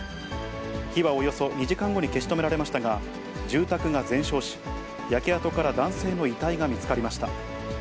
火はおよそ２時間後に消し止められましたが、住宅が全焼し、焼け跡から男性の遺体が見つかりました。